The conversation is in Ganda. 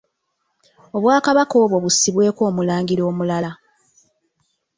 Obwakabaka obwo bussibweko omulangira omulala.